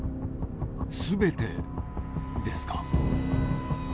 全てですか？